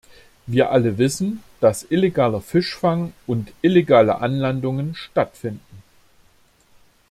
Wir alle wissen, dass illegaler Fischfang und illegale Anlandungen stattfinden.